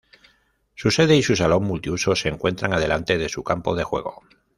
Su sede y su salón multiuso se encuentran adelante de su campo de juego.